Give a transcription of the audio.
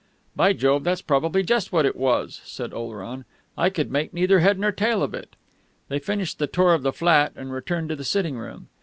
"By Jove, that's probably just what it was," said Oleron. "I could make neither head nor tail of it...." They finished the tour of the flat, and returned to the sitting room.